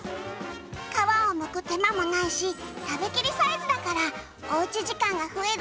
皮をむく手間もないし食べ切りサイズだからおうち時間が増える